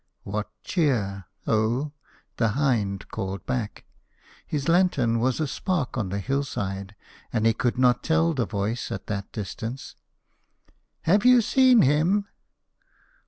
"What cheer O?" the hind called back. His lantern was a spark on the hill side, and he could not tell the voice at that distance. "Have you seen him?"